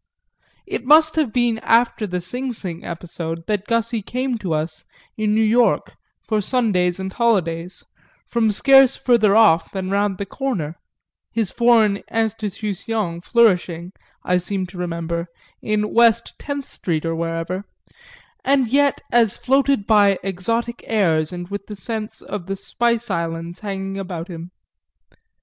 XIV It must have been after the Sing Sing episode that Gussy came to us, in New York, for Sundays and holidays, from scarce further off than round the corner his foreign Institution flourishing, I seem to remember, in West Tenth Street or wherever and yet as floated by exotic airs and with the scent of the spice islands hanging about him.